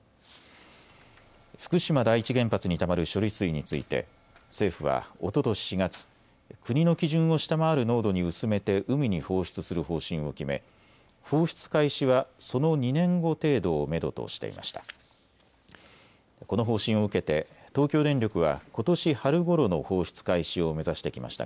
福島第一原発にたまる処理水について政府はおととし４月国の基準を下回る濃度に薄めて海に放出する方針を決め放出開始はその２年後程度をめどとしていました。